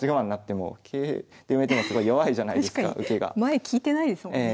前利いてないですもんね。